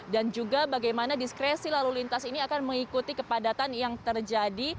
dan juga bagaimana diskresi lalu lintas ini akan mengikuti kepadatan yang terjadi